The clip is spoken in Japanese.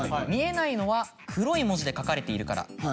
見えないのは黒い文字で書かれているから。